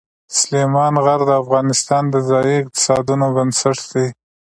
سلیمان غر د افغانستان د ځایي اقتصادونو بنسټ دی.